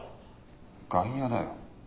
外野だよ。